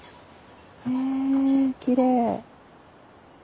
へえきれい。